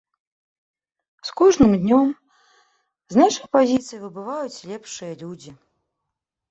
З кожным днём з нашых пазіцый выбываюць лепшыя людзі.